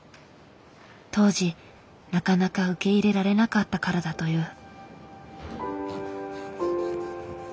当時なかなか受け入れられなかったからだという。